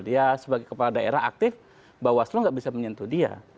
dia sebagai kepala daerah aktif bawaslu nggak bisa menyentuh dia